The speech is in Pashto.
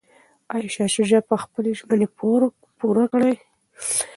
ایا شاه شجاع به خپلي ژمني پوره کړي؟